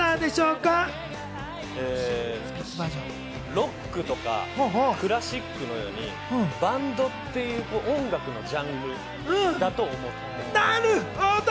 ロックとか、クラシックのようにバンドっていう音楽のジャンルだと思ってた。